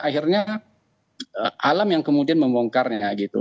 akhirnya alam yang kemudian membongkarnya gitu